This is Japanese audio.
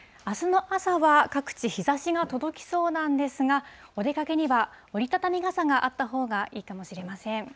あすの朝は各地、日ざしが届きそうなんですが、お出かけには折り畳み傘があったほうがいいかもしれません。